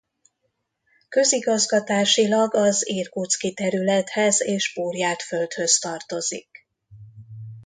Közigazgatásilag az Irkutszki területhez és Burjátföldhöz tartozik.